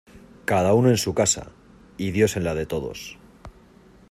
Cada uno en su casa, y Dios en la de todos.